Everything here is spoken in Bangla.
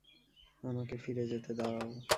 আমাকে ফিরে যেতে দাও।